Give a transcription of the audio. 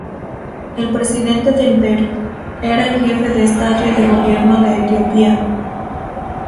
El presidente del Derg era el jefe de Estado y de Gobierno de Etiopía.